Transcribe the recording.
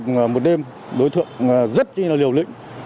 trong một đêm đối tượng rất là liều lĩnh